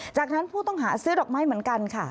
จากนั้นผู้ต้องหาซื้อดอกไม้เหมือนกันค่ะ